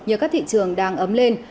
như các thị trường đang ấm lên